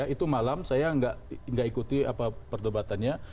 itu malam saya enggak ikuti apa perdebatannya